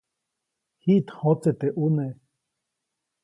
Jiʼt jõtse teʼ ʼune.